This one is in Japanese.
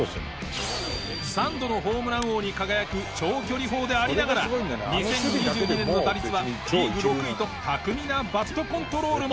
３度のホームラン王に輝く長距離砲でありながら２０２２年の打率はリーグ６位と巧みなバットコントロールも。